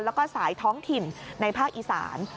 แล้วก็สายท้องถิ่นในภาคอีสาน